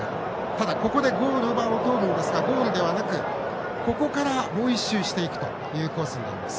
ただ、ここでゴール場を通るんですがゴールではなく、ここからもう１周していくというコースになります。